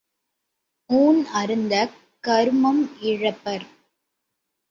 ஊண் அருந்தக் கருமம் இழப்பர்.